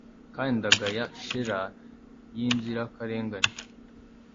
kandi ndagaya shela yinzirakarengane